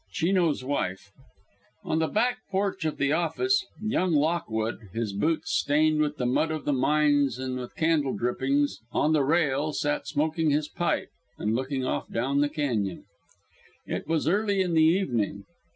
CHINO'S WIFE On the back porch of the "office," young Lockwood his boots, stained with the mud of the mines and with candle drippings, on the rail sat smoking his pipe and looking off down the cañon. It was early in the evening.